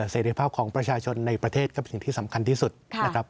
เสร็จภาพของประชาชนในประเทศก็เป็นสิ่งที่สำคัญที่สุดนะครับ